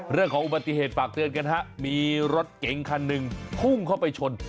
เรื่องของอุบัติเหตุฝากเตือนกันฮะมีรถเก๋งคันหนึ่งพุ่งเข้าไปชน